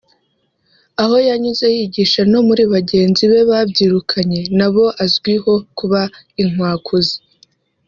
Aho yanyuze yigisha no muri bagenzi be yabyirukanye na bo azwiho kuba ‘inkwakuzi’